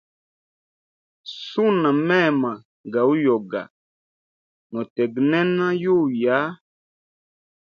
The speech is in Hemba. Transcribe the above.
Suna mema ga uyoga notegnena yuya.